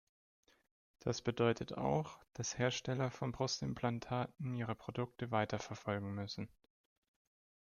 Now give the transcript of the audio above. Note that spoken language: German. Das bedeutet auch, dass Hersteller von Brustimplantaten ihre Produkte weiterverfolgen müssen.